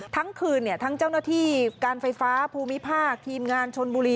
ทั้งคืนทั้งเจ้าหน้าที่การไฟฟ้าภูมิภาคทีมงานชนบุรี